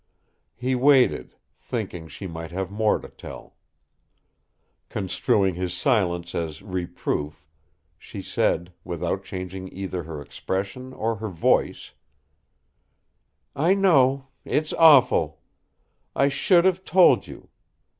He waited, thinking she might have more to tell. Construing his silence as reproof, she said, without changing either her expression or her voice: "I know it's awful. I should have told you.